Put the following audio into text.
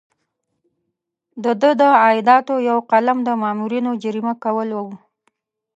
د ده د عایداتو یو قلم د مامورینو جریمه کول وو.